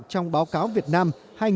trong báo cáo việt nam hai nghìn ba mươi năm